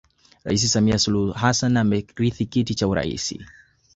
Rais Samia Suluhu Hassan amerithi kiti cha urais